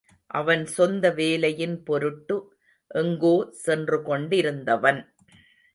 அவன் சொந்த வேலையின் பொருட்டு எங்கோ சென்று கொண்டிருந்தவன்.